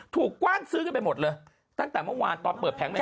กว้านซื้อกันไปหมดเลยตั้งแต่เมื่อวานตอนเปิดแผงใหม่